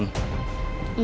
sampai juga kamu